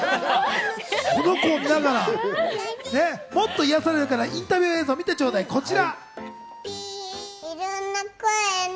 この子を見ながら、もっと癒やされるから、インタビュー映像を見て頂戴、こちら。